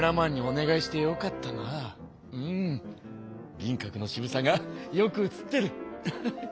銀閣の渋さがよく写ってる！ハハハ。